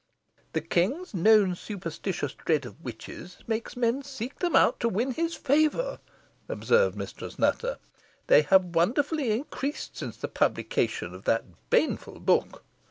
"The king's known superstitious dread of witches makes men seek them out to win his favour," observed Mistress Nutter. "They have wonderfully increased since the publication of that baneful book!"